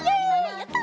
やった！